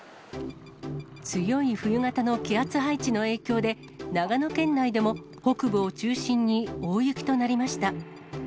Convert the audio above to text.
強い冬型の気圧配置の影響で、長野県内でも北部を中心に大雪となりました。